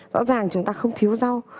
rõ ràng chúng ta không thiếu rau